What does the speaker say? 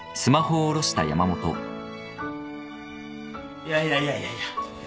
いやいやいやいやいや。